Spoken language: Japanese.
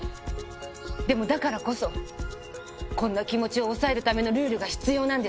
でもだからこそこんな気持ちを抑えるためのルールが必要なんです。